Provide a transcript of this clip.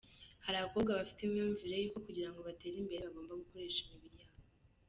Hari abakobwa bafite imyumvire y’uko kugira ngo batere imbere bagomba gukoresha imibiri yabo.